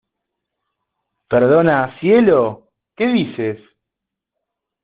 ¿ Perdona, cielo? ¿ qué dices ?